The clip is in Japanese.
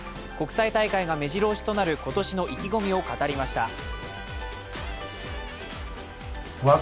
国際大会がめじろ押しとなる今年の意気込みを語りました。